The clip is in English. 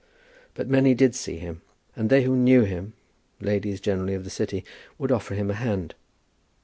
But many did see him, and they who knew him, ladies generally of the city, would offer him a hand.